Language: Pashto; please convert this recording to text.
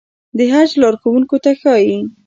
د حج لارښوونکو ته ښايي.